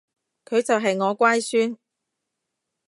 佢就係我乖孫